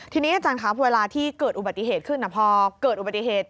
ทีนี้อาจารย์ครับเวลาที่เกิดอุบัติเหตุขึ้นพอเกิดอุบัติเหตุ